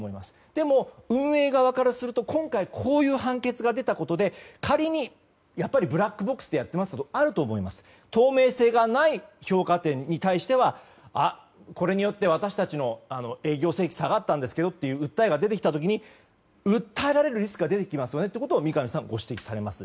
でも、運営側からすると今回こういう判決が出たことで仮に、やっぱりブラックボックスでやっている部分はあると思いますが透明性がない評価点に対してはこれによって私たちの営業成績が下がったんですけどという訴えが出た時に訴えられるリスクが出てきますよねということを三上さんはご指摘されます。